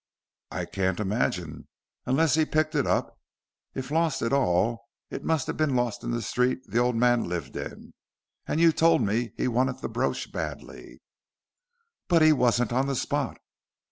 "I can't imagine, unless he picked it up. If lost at all it must have been lost in the street the old man lived in, and you told me he wanted the brooch badly." "But he wasn't on the spot?"